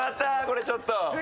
これちょっと。